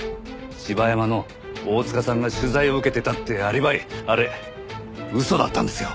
柴山の大塚さんが取材を受けてたっていうアリバイあれ嘘だったんですよ！